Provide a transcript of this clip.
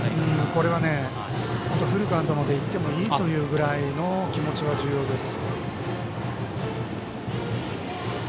これはフルカウントまで行ってもいいというぐらいの気持ちが重要です。